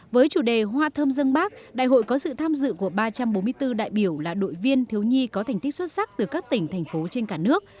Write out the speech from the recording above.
với chủ đề hoa thơm dân bác đại hội có sự tham dự của ba trăm bốn mươi bốn đại biểu là đội viên thiếu nhi có thành tích xuất sắc từ các tỉnh thành phố trên cả nước